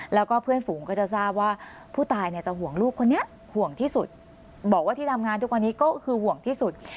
แล้วก็เพื่อนฝูงก็จะทราบว่าผู้ตายเนี่ยจะห่วงลูกคนนี้ห่วงที่สุดบอกว่าที่ทำงานทุกวันนี้ก็คือห่วงที่สุด